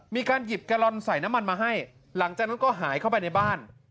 มีการหยิบแกลลอนใส่น้ำมันมาให้หลังจากนั้นก็หายเข้าไปในบ้าน